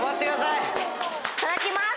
・いただきます！